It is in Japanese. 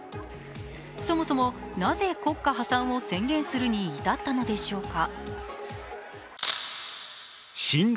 そもそも、なぜ国家破産を宣言するに至ったのでしょうか。